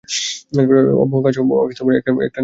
মহাকাশ ভয় হচ্ছে তোমার নিজস্ব একটা অযোগ্যতা।